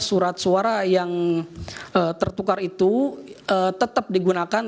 surat suara yang tertukar itu tetap digunakan